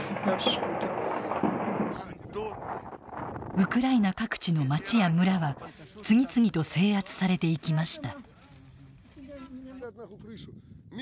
ウクライナ各地の町や村は次々と制圧されていきました。